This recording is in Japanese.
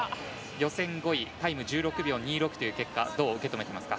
予選５位タイム１６秒２６という結果どう受け止めていますか。